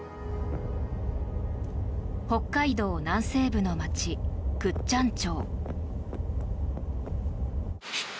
北海道南西部の町、倶知安町。